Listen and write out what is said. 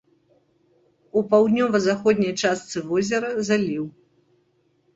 У паўднёва-заходняй частцы возера заліў.